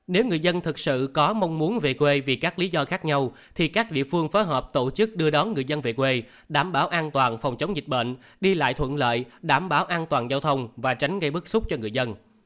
nếu người dân thực sự có mong muốn về quê vì các lý do khác nhau thì các địa phương phối hợp tổ chức đưa đón người dân về quê đảm bảo an toàn phòng chống dịch bệnh đi lại thuận lợi đảm bảo an toàn giao thông và tránh gây bức xúc cho người dân